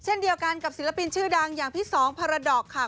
เช่นเดียวกันกับศิลปินชื่อดังอย่างพี่สองพารดอกค่ะ